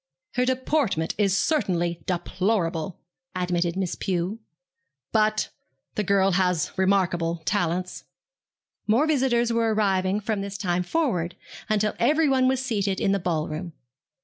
'Her deportment is certainly deplorable,' admitted Miss Pew; 'but the girl has remarkable talents.' More visitors were arriving from this time forward, until everyone was seated in the ball room.